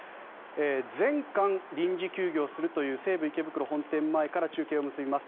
全館臨時休業するという西武池袋本店前から中継を結びます。